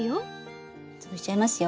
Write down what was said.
潰しちゃいますよ。